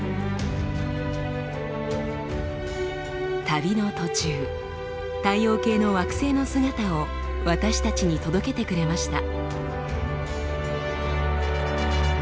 旅の途中太陽系の惑星の姿を私たちに届けてくれました。